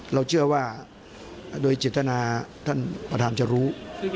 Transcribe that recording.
เราเชื่อว่าโดยเจตนาท่านประธานจะรู้